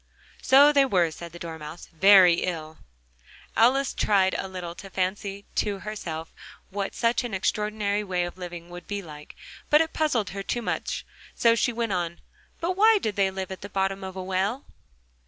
"So they were," said the Dormouse, "very ill." Alice tried a little to fancy to herself what such an extraordinary way of living would be like, but it puzzled her too much, so she went on: "But why did they live at the bottom of a well?"